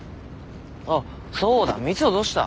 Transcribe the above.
あっそうだ三生どうした？